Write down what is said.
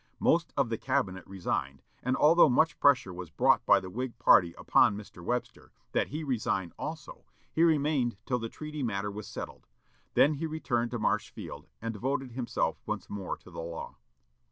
Most of the cabinet resigned, and although much pressure was brought by the Whig party upon Mr. Webster, that he resign also, he remained till the treaty matter was settled. Then he returned to Marshfield, and devoted himself once more to the law.